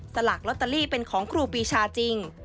สลากลอตเตอรี่เป็นของครูปีชาจริง